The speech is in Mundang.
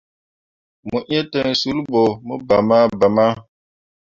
Mo iŋ ten sul ɓo mo bama bama.